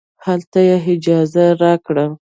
هلته یې اجازه راکړه.